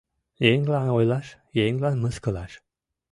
Еҥлан ойлаш, еҥлан мыскылаш